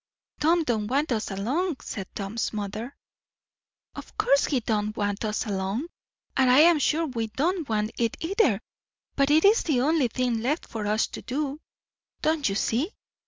"Tom don't want us along," said Tom's mother. "Of course he don't want us along; and I am sure we don't want it either; but it is the only thing left for us to do. Don't you see?